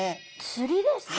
釣りですか？